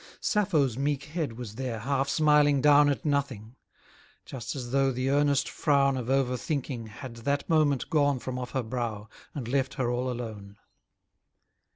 Sappho's meek head was there half smiling down At nothing; just as though the earnest frown Of over thinking had that moment gone From off her brow, and left her all alone.